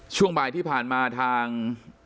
ช่วงบ่ายที่ผ่านมาทาง